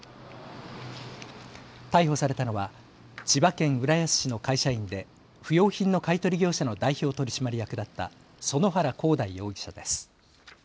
逮捕されたのは千葉県浦安市の会社員で不用品の買い取り業者の代表取締役だった園原広大容疑者です。